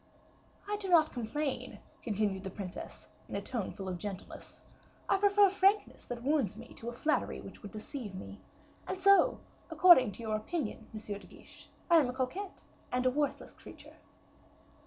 "I do not complain," continued the princess, in a tone of voice full of gentleness; "I prefer a frankness that wounds me, to flattery, which would deceive me. And so, according to your opinion, M. de Guiche, I am a coquette, an a worthless creature."